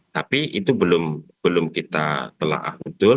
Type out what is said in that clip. tapi itu belum kita telah betul